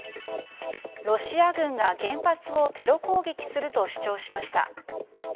ロシア軍が原発をテロ攻撃すると主張しました。